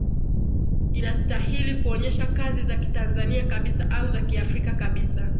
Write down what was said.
inastahili kuonyesha kazi za kitanzania kabisa au za kiafrika kabisa